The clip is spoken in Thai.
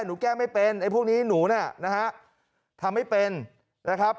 แก้ไม่เป็นไอ้พวกนี้หนูเนี่ยนะฮะทำไม่เป็นนะครับ